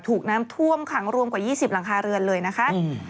ถูกน้ำท่วมขังรวมกว่า๒๐หลังคาเรือนเลยนะคะ